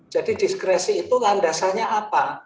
jadi diskresi itu landasannya apa